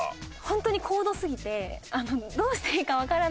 本当に高度すぎてどうしていいかわからなくて。